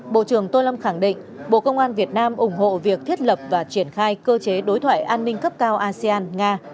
bộ trưởng tô lâm khẳng định bộ công an việt nam ủng hộ việc thiết lập và triển khai cơ chế đối thoại an ninh cấp cao asean nga